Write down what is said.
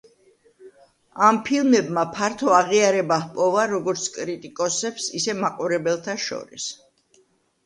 ამ ფილმებმა ფართო აღიარება ჰპოვა როგორც კრიტიკოსებს, ისე მაყურებელთა შორის.